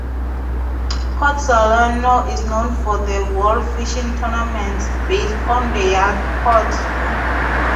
Port Salerno is known for the "World Fishing Tournaments", based on the yacht port.